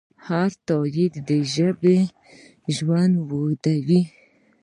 هر تایید د ژبې ژوند اوږدوي.